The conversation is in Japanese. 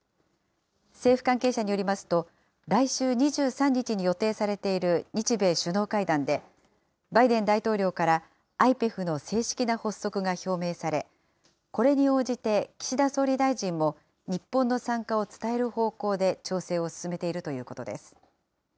政府関係者によりますと、来週２３日に予定されている日米首脳会談で、バイデン大統領からＩＰＥＦの正式な発足が表明され、これに応じて岸田総理大臣も日本の参加を伝える方向で調整を進めているということです。